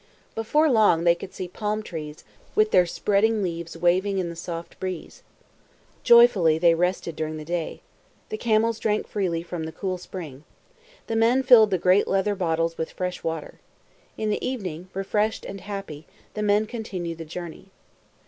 Before long they could see palm trees, with their spreading leaves waving in the soft breeze. Joyfully they rested during the day. The camels drank freely from the cool spring. The men filled the great leather bottles with fresh water. In the evening, refreshed and happy, the men continued the journey.